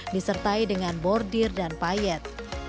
disertai dengan bordir dan payet